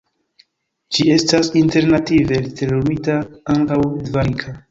Ĝi estas alternative literumita ankaŭ Dvarika.